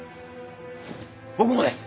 僕もです！